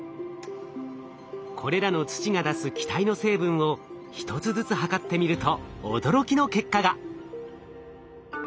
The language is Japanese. これらの土が出す気体の成分を一つずつ測ってみると驚きの結果が。